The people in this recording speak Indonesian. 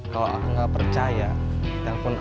kalau aku gak percaya telfon aja